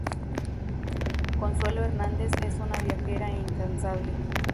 Consuelo Hernández es una viajera incansable.